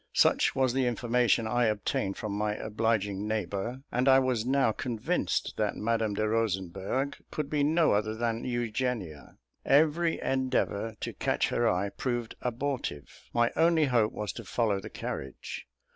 Such was the information I obtained from my obliging neighbour; and I was now convinced that Madame de Rosenberg could be no other than Eugenia. Every endeavour to catch her eye proved abortive. My only hope was to follow the carriage.